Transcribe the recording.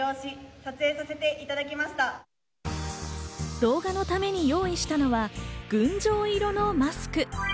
動画のために用意したのは群青色のマスク。